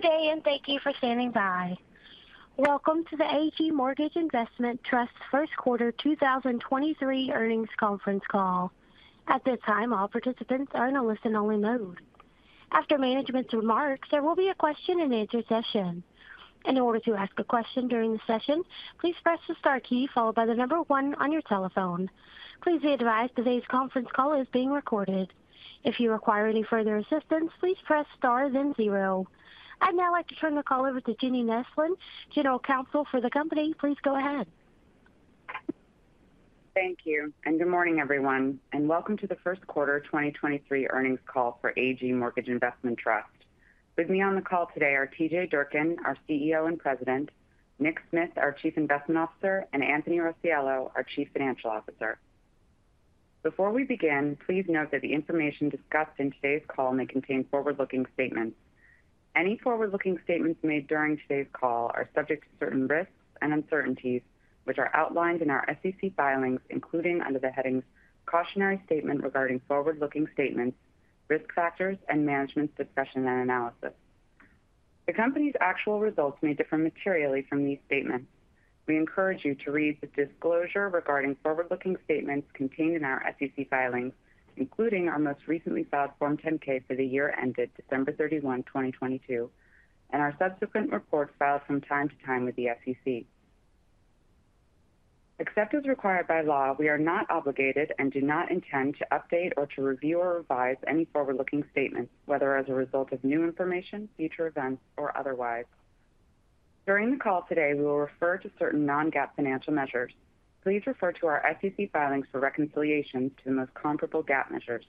Good day, and thank you for standing by. Welcome to the AG Mortgage Investment Trust first quarter 2023 earnings conference call. At this time, all participants are in a listen-only mode. After management's remarks, there will be a question-and-answer session. In order to ask a question during the session, please press the star key followed by the number one on your telephone. Please be advised today's conference call is being recorded. If you require any further assistance, please press Star then 0. I'd now like to turn the call over to Jenny Neslin, General Counsel for the company. Please go ahead. Thank you, and good morning, everyone, and welcome to the first quarter 2023 earnings call for AG Mortgage Investment Trust. With me on the call today are T.J. Durkin, our CEO and President, Nick Smith, our Chief Investment Officer, and Anthony Rossiello, our Chief Financial Officer. Before we begin, please note that the information discussed in today's call may contain forward-looking statements. Any forward-looking statements made during today's call are subject to certain risks and uncertainties, which are outlined in our SEC filings, including under the headings cautionary statement regarding forward-looking statements, risk factors, and management's discussion and analysis. The company's actual results may differ materially from these statements. We encourage you to read the disclosure regarding forward-looking statements contained in our SEC filings, including our most recently filed Form 10-K for the year ended December 31, 2022, and our subsequent reports filed from time to time with the SEC. Except as required by law, we are not obligated and do not intend to update or to review or revise any forward-looking statements, whether as a result of new information, future events or otherwise. During the call today, we will refer to certain non-GAAP financial measures. Please refer to our SEC filings for reconciliations to the most comparable GAAP measures.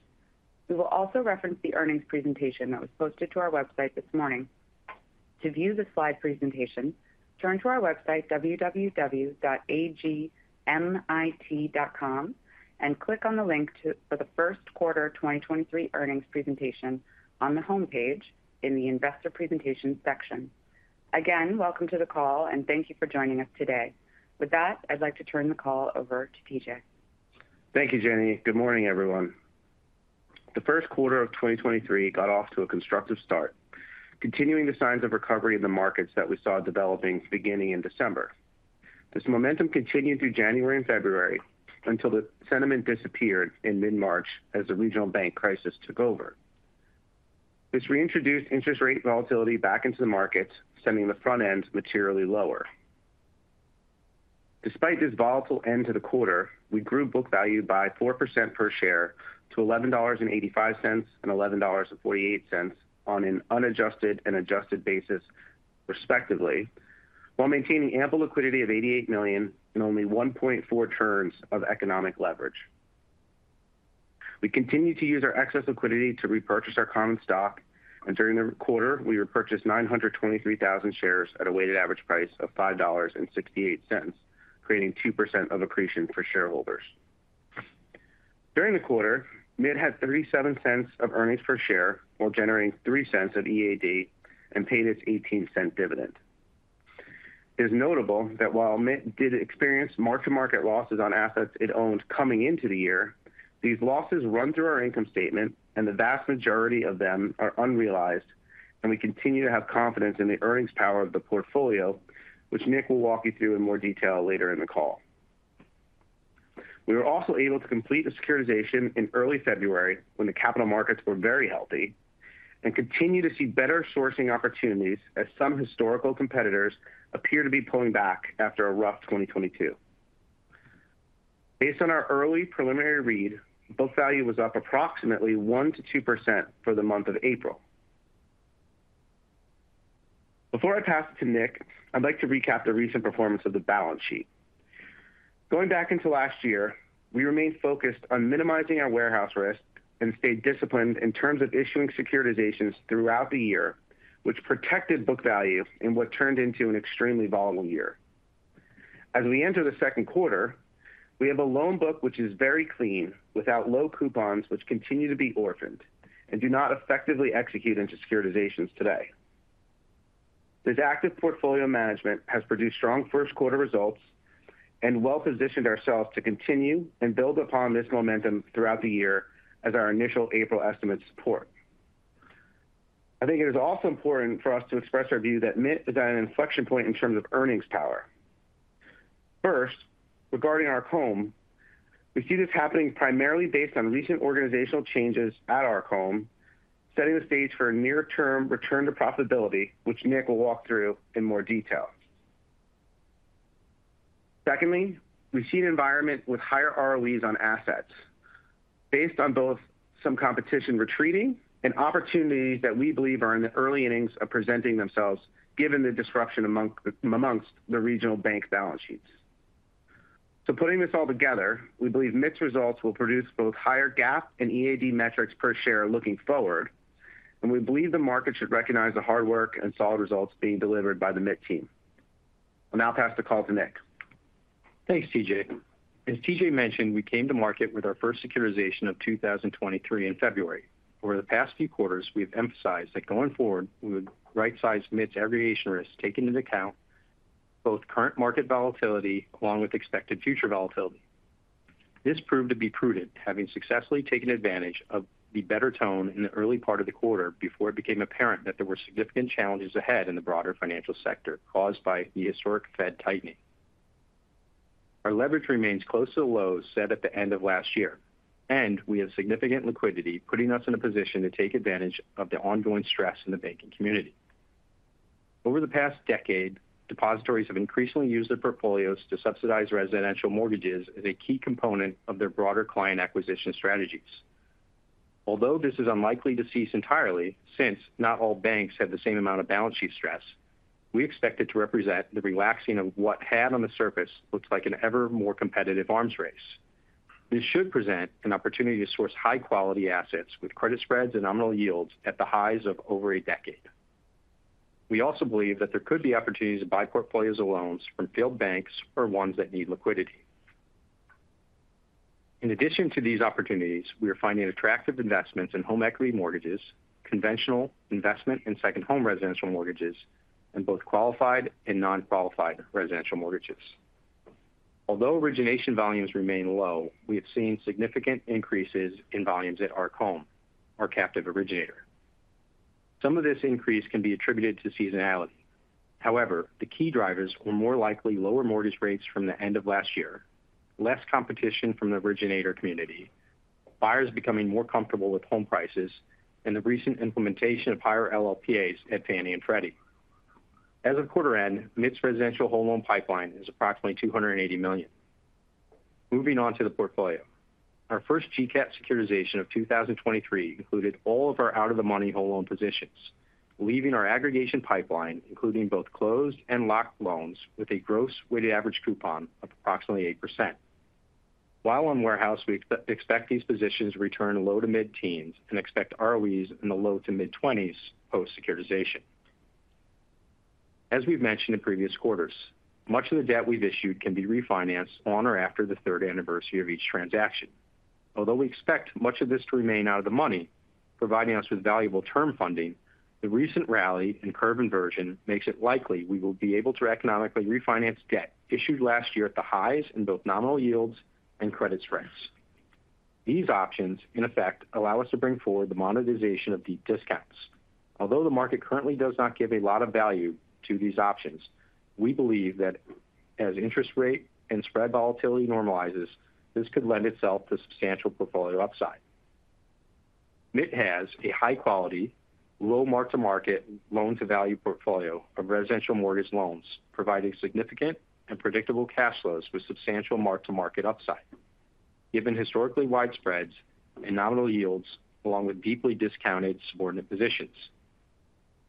We will also reference the earnings presentation that was posted to our website this morning. To view the slide presentation, turn to our website www.agmit.com and click on the link for the first quarter 2023 earnings presentation on the homepage in the Investor Presentation section. Welcome to the call and thank you for joining us today. With that, I'd like to turn the call over to TJ. Thank you, Jenny. Good morning, everyone. The first quarter of 2023 got off to a constructive start, continuing the signs of recovery in the markets that we saw developing beginning in December. This momentum continued through January and February until the sentiment disappeared in mid-March as the regional bank crisis took over. This reintroduced interest rate volatility back into the market, sending the front end materially lower. Despite this volatile end to the quarter, we grew book value by 4% per share to $11.85 and $11.48 on an unadjusted and adjusted basis, respectively, while maintaining ample liquidity of $88 million and only 1.4 turns of economic leverage. We continue to use our excess liquidity to repurchase our common stock. During the quarter, we repurchased 923,000 shares at a weighted average price of $5.68, creating 2% of accretion for shareholders. During the quarter, MITT had $0.37 of earnings per share, while generating $0.03 of EAD and paying its $0.18 dividend. It is notable that while MITT did experience mark-to-market losses on assets it owned coming into the year, these losses run through our income statement. The vast majority of them are unrealized, and we continue to have confidence in the earnings power of the portfolio, which Nick will walk you through in more detail later in the call. We were also able to complete the securitization in early February when the capital markets were very healthy and continue to see better sourcing opportunities as some historical competitors appear to be pulling back after a rough 2022. Based on our early preliminary read, book value was up approximately 1% to 2% for the month of April. Before I pass it to Nick Smith, I'd like to recap the recent performance of the balance sheet. Going back into last year, we remained focused on minimizing our warehouse risk and stayed disciplined in terms of issuing securitizations throughout the year, which protected book value in what turned into an extremely volatile year. As we enter the second quarter, we have a loan book which is very clean, without low coupons, which continue to be orphaned and do not effectively execute into securitizations today. This active portfolio management has produced strong first quarter results and well-positioned ourselves to continue and build upon this momentum throughout the year as our initial April estimates support. I think it is also important for us to express our view that MITT is at an inflection point in terms of earnings power. First, regarding ARCM, we see this happening primarily based on recent organizational changes at ARCM, setting the stage for a near-term return to profitability, which Nick will walk through in more detail. Secondly, we see an environment with higher ROEs on assets based on both some competition retreating and opportunities that we believe are in the early innings of presenting themselves given the disruption amongst the regional bank balance sheets. Putting this all together, we believe MITT's results will produce both higher GAAP and EAD metrics per share looking forward, and we believe the market should recognize the hard work and solid results being delivered by the MITT team. I'll now pass the call to Nick. Thanks, TJ. As TJ mentioned, we came to market with our first securitization of 2023 in February. Over the past few quarters, we've emphasized that going forward, we would right-size MITT's aggregation risk, taking into account both current market volatility along with expected future volatility. This proved to be prudent, having successfully taken advantage of the better tone in the early part of the quarter before it became apparent that there were significant challenges ahead in the broader financial sector caused by the historic Fed tightening. Our leverage remains close to the lows set at the end of last year, and we have significant liquidity, putting us in a position to take advantage of the ongoing stress in the banking community. Over the past decade, depositories have increasingly used their portfolios to subsidize residential mortgages as a key component of their broader client acquisition strategies. Although this is unlikely to cease entirely, since not all banks have the same amount of balance sheet stress, we expect it to represent the relaxing of what had on the surface looks like an ever more competitive arms race. This should present an opportunity to source high-quality assets with credit spreads and nominal yields at the highs of over a decade. We also believe that there could be opportunities to buy portfolios of loans from failed banks or ones that need liquidity. In addition to these opportunities, we are finding attractive investments in home equity mortgages, conventional investment and second home residential mortgages, and both qualified and non-qualified residential mortgages. Although origination volumes remain low, we have seen significant increases in volumes at Arc Home, our captive originator. Some of this increase can be attributed to seasonality. However, the key drivers were more likely lower mortgage rates from the end of last year, less competition from the originator community, buyers becoming more comfortable with home prices, and the recent implementation of higher LLPAs at Fannie and Freddie. As of quarter end, MIT's residential home loan pipeline is approximately $280 million. Moving on to the portfolio. Our first GCAP securitization of 2023 included all of our out-of-the-money whole loan positions, leaving our aggregation pipeline, including both closed and locked loans, with a gross weighted average coupon of approximately 8%. While on warehouse, we expect these positions to return low to mid-teens and expect ROEs in the low to mid-twenties post-securitization. As we've mentioned in previous quarters, much of the debt we've issued can be refinanced on or after the third anniversary of each transaction. We expect much of this to remain out of the money, providing us with valuable term funding, the recent rally in curve inversion makes it likely we will be able to economically refinance debt issued last year at the highs in both nominal yields and credit spreads. These options, in effect, allow us to bring forward the monetization of deep discounts. Although the market currently does not give a lot of value to these options, we believe that as interest rate and spread volatility normalizes, this could lend itself to substantial portfolio upside. MITT has a high-quality, low mark-to-market, loan-to-value portfolio of residential mortgage loans, providing significant and predictable cash flows with substantial mark-to-market upside, given historically wide spreads and nominal yields, along with deeply discounted subordinate positions.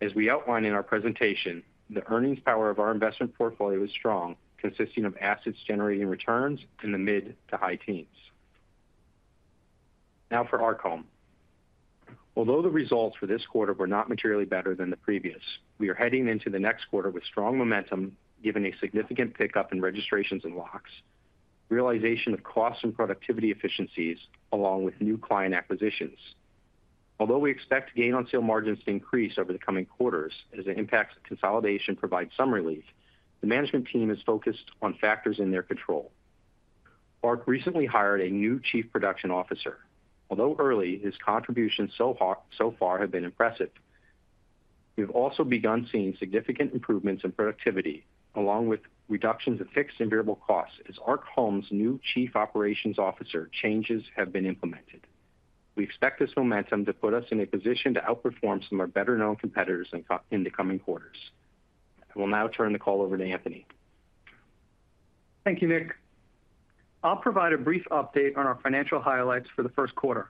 As we outlined in our presentation, the earnings power of our investment portfolio is strong, consisting of assets generating returns in the mid to high teens. Now for Arc Home. Although the results for this quarter were not materially better than the previous, we are heading into the next quarter with strong momentum, given a significant pickup in registrations and locks, realization of costs and productivity efficiencies, along with new client acquisitions. Although we expect gain-on-sale margins to increase over the coming quarters as the impacts of consolidation provide some relief, the management team is focused on factors in their control. Arc recently hired a new Chief Production Officer. Although early, his contributions so far have been impressive. We've also begun seeing significant improvements in productivity along with reductions of fixed and variable costs as Arc Home's new Chief Operations Officer changes have been implemented. We expect this momentum to put us in a position to outperform some of our better-known competitors in the coming quarters. I will now turn the call over to Anthony. Thank you, Nick. I'll provide a brief update on our financial highlights for the first quarter.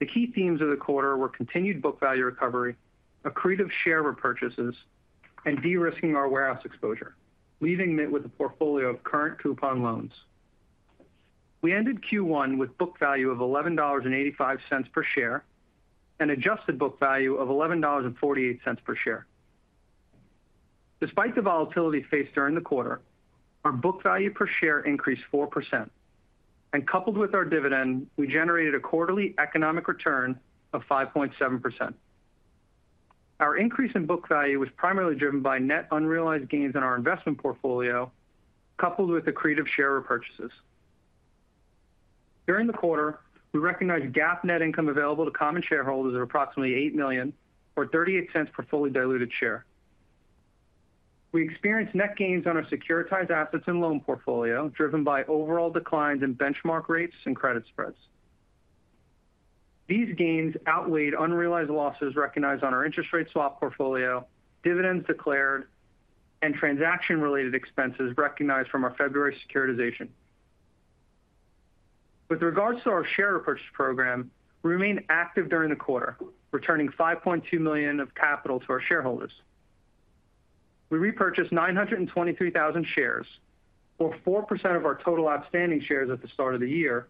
The key themes of the quarter were continued book value recovery, accretive share repurchases, and de-risking our warehouse exposure, leaving MITT with a portfolio of current coupon loans. We ended Q1 with book value of $11.85 per share and adjusted book value of $11.48 per share. Despite the volatility faced during the quarter, our book value per share increased 4%. Coupled with our dividend, we generated a quarterly economic return of 5.7%. Our increase in book value was primarily driven by net unrealized gains in our investment portfolio, coupled with accretive share repurchases. During the quarter, we recognized GAAP net income available to common shareholders of approximately $8 million or $0.38 per fully diluted share. We experienced net gains on our securitized assets and loan portfolio, driven by overall declines in benchmark rates and credit spreads. These gains outweighed unrealized losses recognized on our interest rate swap portfolio, dividends declared, and transaction-related expenses recognized from our February securitization. With regards to our share repurchase program, we remained active during the quarter, returning $5.2 million of capital to our shareholders. We repurchased 923,000 shares or 4% of our total outstanding shares at the start of the year,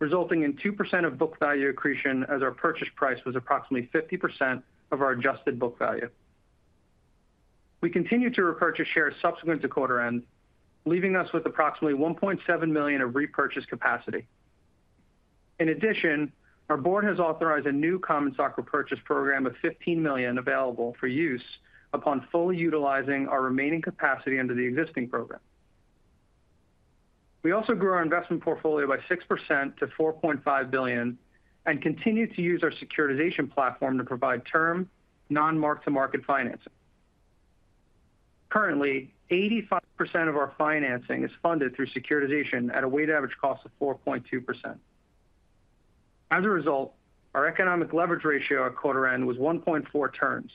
resulting in 2% of book value accretion as our purchase price was approximately 50% of our adjusted book value. We continued to repurchase shares subsequent to quarter end, leaving us with approximately $1.7 million of repurchase capacity. Our board has authorized a new common stock repurchase program of $15 million available for use upon fully utilizing our remaining capacity under the existing program. We also grew our investment portfolio by 6% to $4.5 billion and continued to use our securitization platform to provide term non-mark-to-market financing. Currently, 85% of our financing is funded through securitization at a weighted average cost of 4.2%. Our economic leverage ratio at quarter end was 1.4 turns,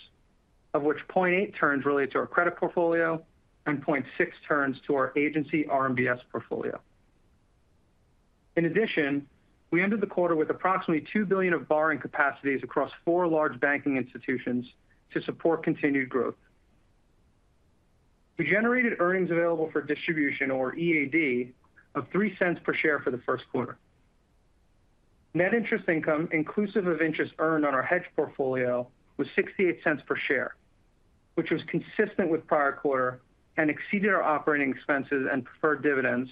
of which 0.8 turns relate to our credit portfolio and 0.6 turns to our agency RMBS portfolio. We ended the quarter with approximately $2 billion of borrowing capacities across four large banking institutions to support continued growth. We generated earnings available for distribution or EAD of $0.03 per share for the first quarter. Net interest income inclusive of interest earned on our hedge portfolio was $0.68 per share, which was consistent with prior quarter and exceeded our operating expenses and preferred dividends,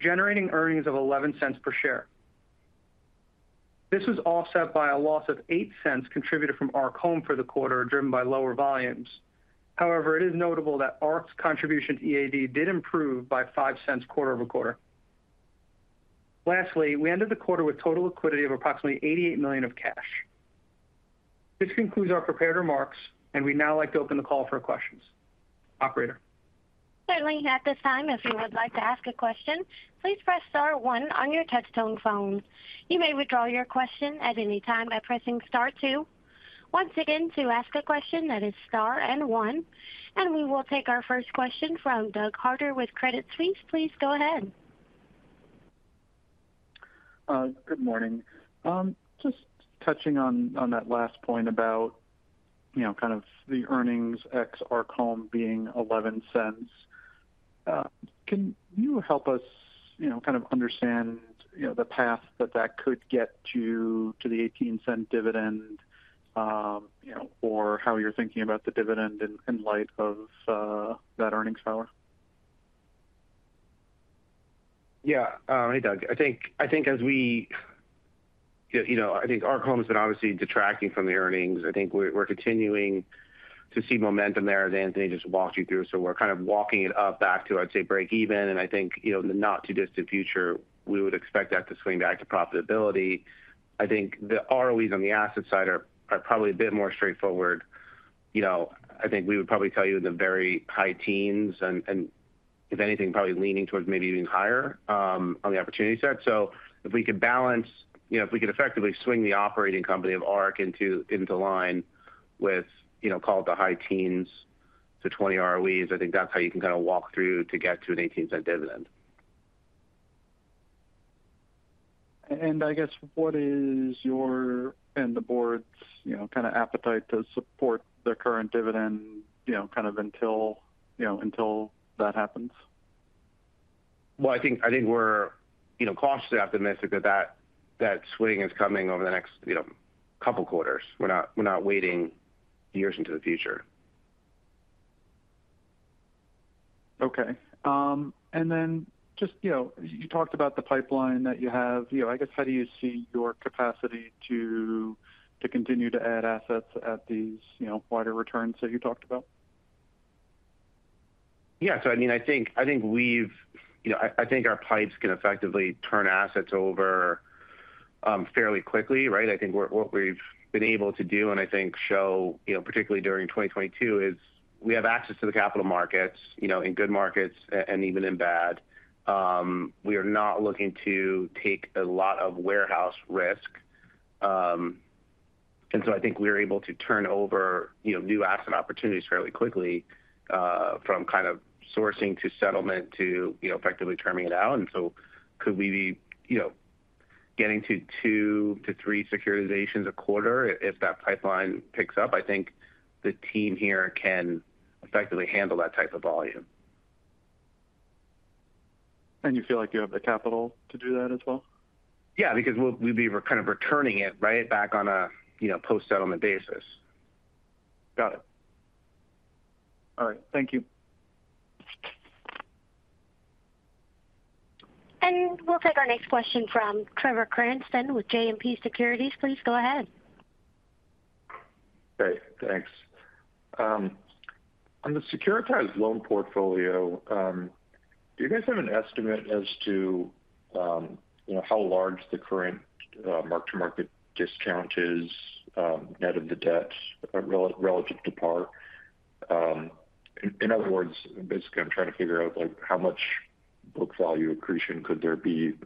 generating earnings of $0.11 per share. This was offset by a loss of $0.08 contributed from Arc Home for the quarter, driven by lower volumes. It is notable that Arc's contribution EAD did improve by $0.05 quarter-over-quarter. We ended the quarter with total liquidity of approximately $88 million of cash. This concludes our prepared remarks, and we'd now like to open the call for questions. Operator. Certainly. At this time, if you would like to ask a question, please press star one on your touch-tone phone. You may withdraw your question at any time by pressing star two. Once again, to ask a question that is star and one. We will take our first question from Doug Harter with Credit Suisse. Please go ahead. Good morning. Just touching on that last point about, you know, kind of the earnings ex Arc Home being $0.11. Can you help us, you know, kind of understand, you know, the path that that could get to the $0.18 dividend, you know, or how you're thinking about the dividend in light of, that earnings power? Yeah. Hey, Doug. I think, you know, I think Arc Home has been obviously detracting from the earnings. I think we're continuing to see momentum there as Anthony just walked you through. We're kind of walking it up back to, I'd say, break even. I think, you know, in the not too distant future, we would expect that to swing back to profitability. I think the ROEs on the asset side are probably a bit more straightforward. You know, I think we would probably tell you in the very high teens and if anything, probably leaning towards maybe even higher on the opportunity set. If we could balance, you know, if we could effectively swing the operating company of Arc Home into line with, you know, call it the high teens to 20 ROEs, I think that's how you can kind of walk through to get to an $0.18 dividend. I guess what is your and the board's, you know, kind of appetite to support the current dividend, you know, kind of until, you know, until that happens? Well, I think we're, you know, cautiously optimistic that swing is coming over the next, you know, couple quarters. We're not waiting years into the future. Okay. Just, you know, you talked about the pipeline that you have. You know, I guess, how do you see your capacity to continue to add assets at these, you know, wider returns that you talked about? I mean, I think we've, you know, I think our pipes can effectively turn assets over fairly quickly, right? I think what we've been able to do and I think show, you know, particularly during 2022, is we have access to the capital markets, you know, in good markets and even in bad. We are not looking to take a lot of warehouse risk. I think we're able to turn over, you know, new asset opportunities fairly quickly from kind of sourcing to settlement to, you know, effectively terming it out. Could we be, you know, getting to 2-3 securitizations a quarter if that pipeline picks up? I think the team here can effectively handle that type of volume. You feel like you have the capital to do that as well? Yeah, because we'd be kind of returning it right back on a, you know, post-settlement basis. Got it. All right. Thank you. We'll take our next question from Trevor Cranston with JMP Securities. Please go ahead. Great. Thanks. On the securitized loan portfolio, do you guys have an estimate as to, you know, how large the current mark-to-market discount is, net of the debt relative to par? In other words, basically I'm trying to figure out like how much book value accretion could there be, you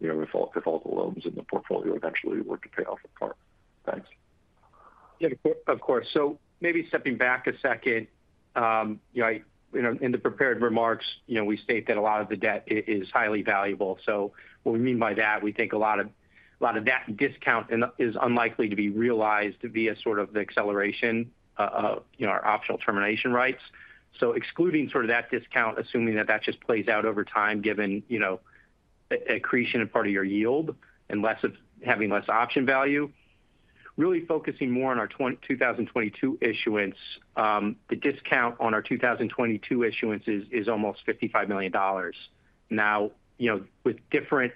know, if all the loans in the portfolio eventually were to pay off in par? Thanks. Yeah. Of course. Maybe stepping back a second. You know, you know, in the prepared remarks, you know, we state that a lot of the debt is highly valuable. What we mean by that, we think a lot of that discount is unlikely to be realized via sort of the acceleration of, you know, our optional termination rights. Excluding sort of that discount, assuming that that just plays out over time, given, you know, accretion in part of your yield and having less option value. Really focusing more on our 2022 issuance. The discount on our 2022 issuance is almost $55 million. Now, you know, with different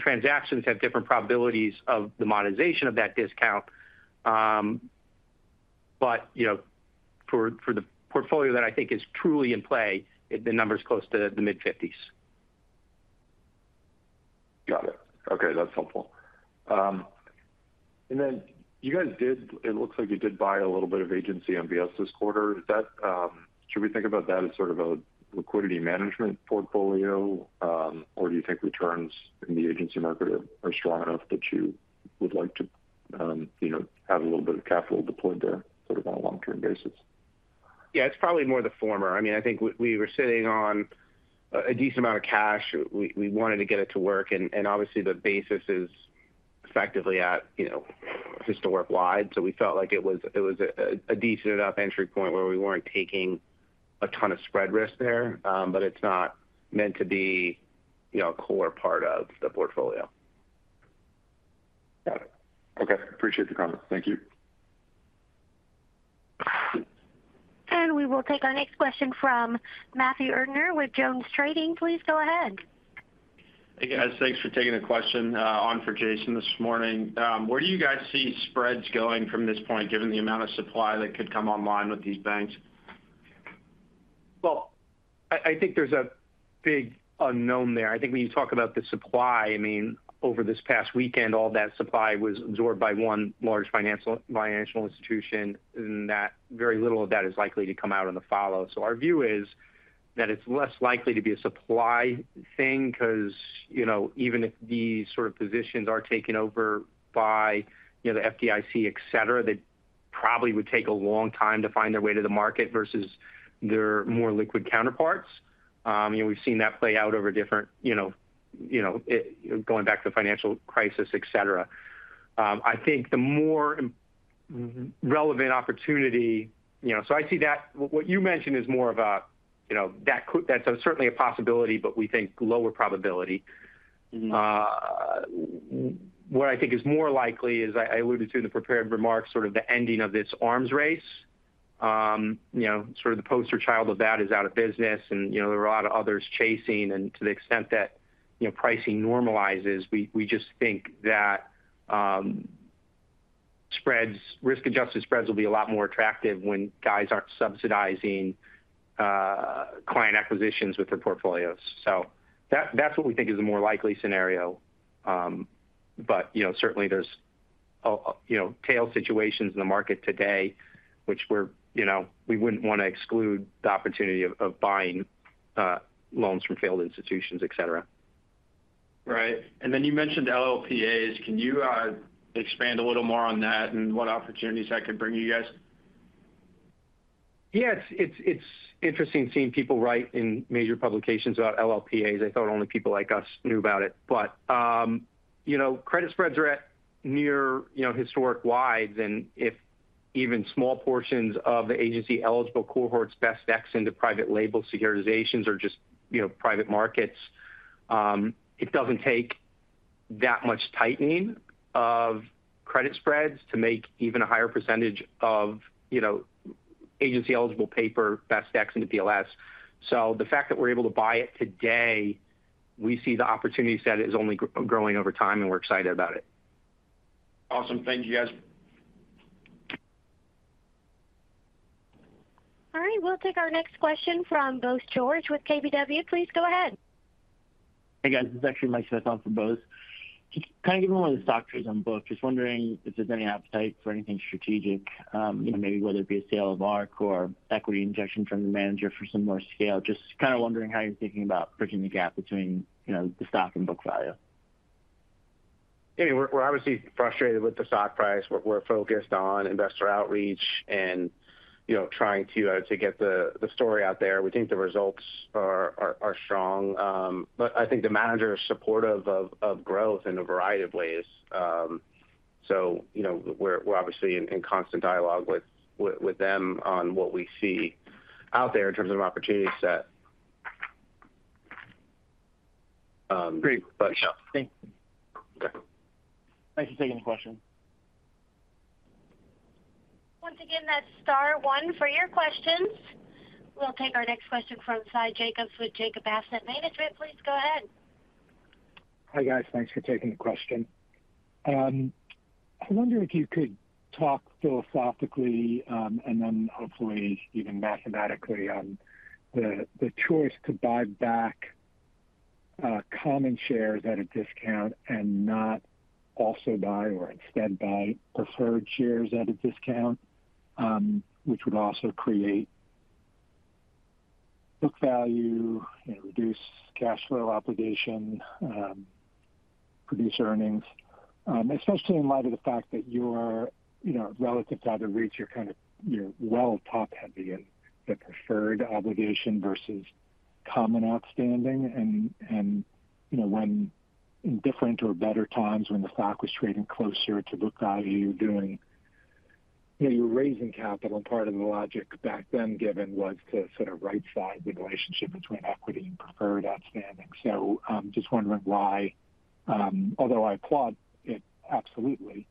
transactions have different probabilities of the monetization of that discount. You know, for the portfolio that I think is truly in play, the number's close to the mid-fifties. Got it. Okay, that's helpful. Then you guys it looks like you did buy a little bit of agency MBS this quarter. Is that, should we think about that as sort of a liquidity management portfolio? Do you think returns in the agency market are strong enough that you would like to, you know, have a little bit of capital deployed there sort of on a long-term basis? Yeah, it's probably more the former. I mean, I think we were sitting on a decent amount of cash. We wanted to get it to work, and obviously the basis is effectively at, you know, historic wide. We felt like it was a decent enough entry point where we weren't taking a ton of spread risk there. It's not meant to be, you know, a core part of the portfolio. Got it. Okay. Appreciate the comment. Thank you. We will take our next question from Matthew Erdner with Jones Trading. Please go ahead. Hey, guys. Thanks for taking the question, on for Jason this morning. Where do you guys see spreads going from this point, given the amount of supply that could come online with these banks? I think there's a big unknown there. I think when you talk about the supply, I mean, over this past weekend, all that supply was absorbed by one large financial institution, and that very little of that is likely to come out on the follow. Our view is that it's less likely to be a supply thing because, you know, even if these sort of positions are taken over by, you know, the FDIC, et cetera, they probably would take a long time to find their way to the market versus their more liquid counterparts. You know, we've seen that play out over different, you know, going back to the financial crisis, et cetera. I think the more relevant opportunity, you know. I see what you mentioned is more of a, you know, that's certainly a possibility but we think lower probability. Mm-hmm. What I think is more likely is I alluded to in the prepared remarks, sort of the ending of this arms race. You know, sort of the poster child of that is out of business and, you know, there are a lot of others chasing. To the extent that, you know, pricing normalizes, we just think that, risk-adjusted spreads will be a lot more attractive when guys aren't subsidizing client acquisitions with their portfolios. That's what we think is a more likely scenario. You know, certainly there's a, you know, tail situations in the market today which we're, you know, we wouldn't want to exclude the opportunity of buying loans from failed institutions, et cetera. Right. Then you mentioned LLPAs. Can you expand a little more on that and what opportunities that could bring you guys? Yeah. It's interesting seeing people write in major publications about LLPAs. I thought only people like us knew about it. You know, credit spreads are at near, you know, historic wides. If even small portions of the agency-eligible cohorts best ex into private label securitizations or just, you know, private markets, it doesn't take that much tightening of credit spreads to make even a higher percentage of, you know, agency-eligible paper best ex into PLS. The fact that we're able to buy it today, we see the opportunity set is only growing over time, and we're excited about it. Awesome. Thank you, guys. All right. We'll take our next question from Bose George with KBW. Please go ahead. Hey, guys. This is actually [Mike Smith] on for Bose. Can I get one of the stock trades on book? Just wondering if there's any appetite for anything strategic, you know, maybe whether it be a sale of Arc or equity injection from the manager for some more scale. Just kind of wondering how you're thinking about bridging the gap between, you know, the stock and book value. We're obviously frustrated with the stock price. We're focused on investor outreach and, you know, trying to get the story out there. We think the results are strong. I think the manager is supportive of growth in a variety of ways. You know, we're obviously in constant dialogue with them on what we see out there in terms of an opportunity set. Great. Gotcha. Thank you. Okay. Thanks for taking the question. Once again, that's star one for your questions. We'll take our next question from Sy Jacobs with Jacobs Asset Management. Please go ahead. Hi, guys. Thanks for taking the question. I wonder if you could talk philosophically, and then hopefully even mathematically on the choice to buy back, common shares at a discount and not also buy or instead buy preferred shares at a discount, which would also create book value, you know, reduce cash flow obligation, produce earnings. Especially in light of the fact that your, you know, relative to other REITs, you're well top-heavy in the preferred obligation versus common outstanding. You know, when in different or better times when the stock was trading closer to book value, doing You know, you're raising capital, part of the logic back then given was to sort of right-size the relationship between equity and preferred outstanding. Just wondering why, although I applaud it absolutely,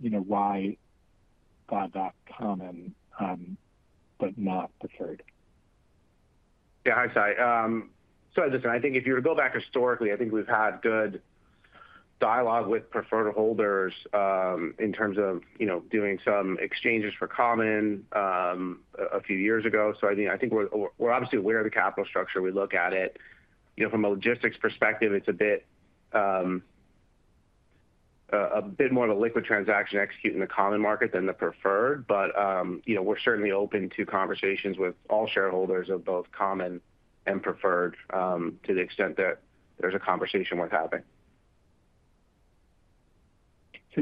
you know, why buy that common, but not preferred? Yeah. Hi, Sy. Listen, I think if you were to go back historically, I think we've had good dialogue with preferred holders, in terms of, you know, doing some exchanges for common, a few years ago. I think we're obviously aware of the capital structure. We look at it. You know, from a logistics perspective, it's a bit more of a liquid transaction to execute in the common market than the preferred. You know, we're certainly open to conversations with all shareholders of both common and preferred, to the extent that there's a conversation worth having.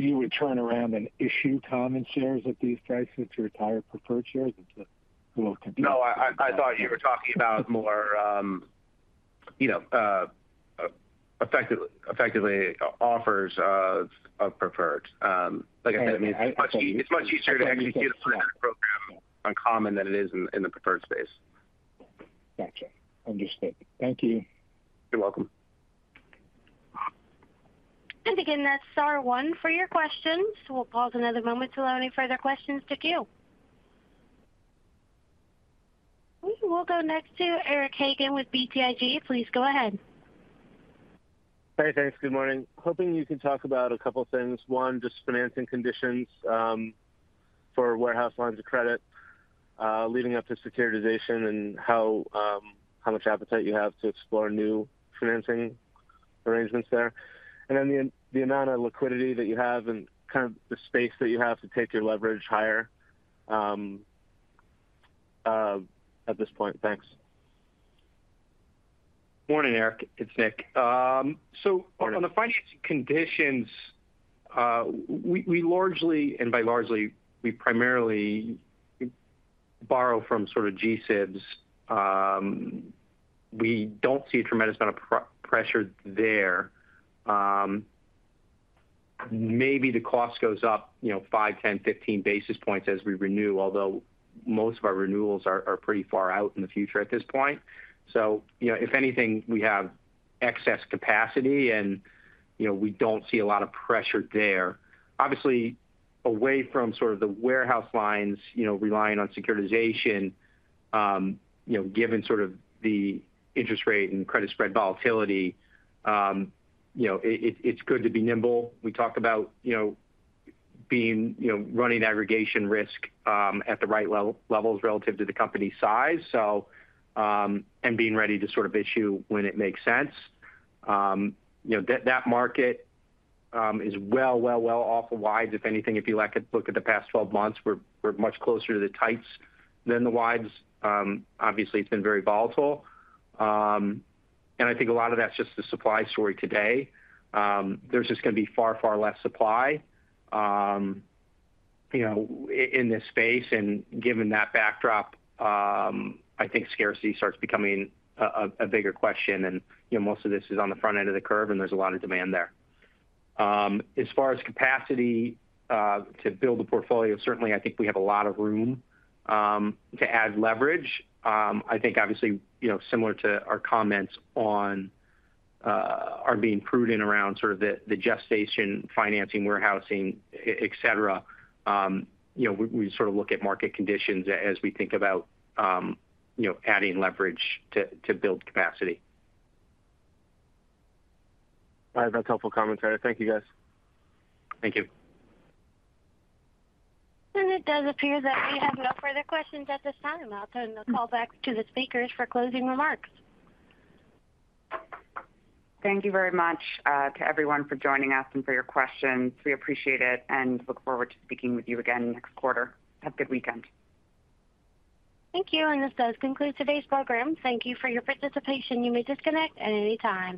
You would turn around and issue common shares at these prices to retire preferred shares? It's a little confusing. No, I thought you were talking about more, you know, effectively offers of preferred. Like I said, I mean, it's much easier, it's much easier to execute a repurchasing program on common than it is in the preferred space. Gotcha. Understood. Thank you. You're welcome. Again, that's star one for your questions. We'll pause another moment to allow any further questions to queue. We will go next to Eric Hagen with BTIG. Please go ahead. Hey, thanks. Good morning. Hoping you could talk about a couple things. One, just financing conditions, for warehouse lines of credit, leading up to securitization and how much appetite you have to explore new financing arrangements there. The amount of liquidity that you have and kind of the space that you have to take your leverage higher, at this point. Thanks. Morning, Eric. It's Nick. Morning. On the financing conditions, we largely, and by largely, we primarily borrow from sort of G-SIBs. We don't see a tremendous amount of pressure there. Maybe the cost goes up, you know, 5, 10, 15 basis points as we renew, although most of our renewals are pretty far out in the future at this point. You know, if anything, we have excess capacity and, you know, we don't see a lot of pressure there. Obviously, away from sort of the warehouse lines, you know, relying on securitization, you know, given sort of the interest rate and credit spread volatility, you know, it's good to be nimble. We talk about, you know, being, you know, running aggregation risk, at the right levels relative to the company size, so, and being ready to sort of issue when it makes sense. you know, that market is well off the wides. If anything, if you look at the past 12 months, we're much closer to the tights than the wides. Obviously, it's been very volatile. I think a lot of that's just the supply story today. There's just gonna be far less supply, you know, in this space. Given that backdrop, I think scarcity starts becoming a bigger question. you know, most of this is on the front end of the curve, and there's a lot of demand there. As far as capacity to build a portfolio, certainly, I think we have a lot of room to add leverage. I think obviously, you know, similar to our comments on, our being prudent around sort of the gestation, financing, warehousing, et cetera, you know, we sort of look at market conditions as we think about, you know, adding leverage to build capacity. All right. That's helpful commentary. Thank you, guys. Thank you. It does appear that we have no further questions at this time. I'll turn the call back to the speakers for closing remarks. Thank you very much, to everyone for joining us and for your questions. We appreciate it and look forward to speaking with you again next quarter. Have a good weekend. Thank you. This does conclude today's program. Thank you for your participation. You may disconnect at any time.